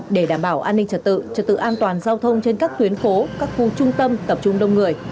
để đảm bảo an ninh trật tự trật tự an toàn giao thông trên các tuyến phố các khu trung tâm tập trung đông người